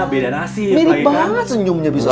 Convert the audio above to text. mirip banget senyumnya bisa